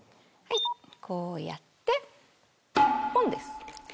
こうやってポンです。